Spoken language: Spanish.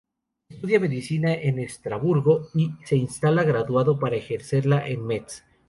Estudia medicina en Estrasburgo, y se instala graduado para ejercerla en Metz.